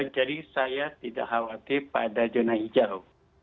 jadi saya tidak khawatir pada zona hijau